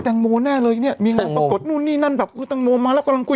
แตงโมน่ะเลยเนี้ยแตงโมนดูนนี่นั่นแบบก็แตงโมนมาแล้วก่อนกู